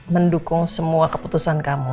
mendukung semua keputusan kamu